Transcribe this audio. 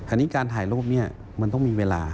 อันนี้การถ่ายรูปนี้มันต้องมีเวลา